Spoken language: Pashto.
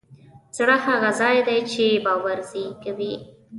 زړه هغه ځای دی چې باور زېږوي.